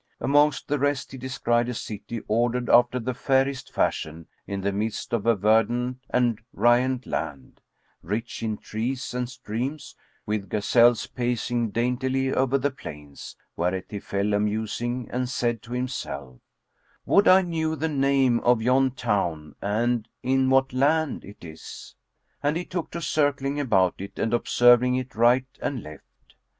Amongst the rest, he descried a city ordered after the fairest fashion in the midst of a verdant and riant land, rich in trees and streams, with gazelles pacing daintily over the plains; whereat he fell a musing and said to himself, "Would I knew the name of yon town and in what land it is!" And he took to circling about it and observing it right and left.